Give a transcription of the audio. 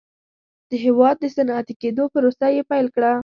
د هېواد د صنعتي کېدو پروسه یې پیل کړه.